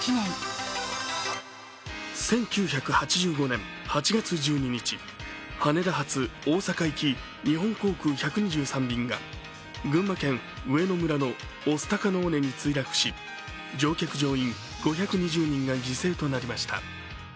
１９８５年８月１２日羽田発大阪行き、日本航空１２３便が群馬県上野村の御巣鷹の尾根に墜落し乗客・乗員５２０人が犠牲となりました。